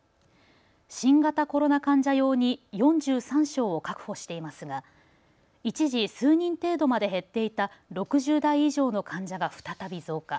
新型コロナ患者用に４３床を確保していますが一時、数人程度まで減っていた６０代以上の患者が再び増加。